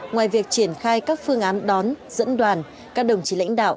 ngoài việc triển khai các phương án đón dẫn đoàn các đồng chí lãnh đạo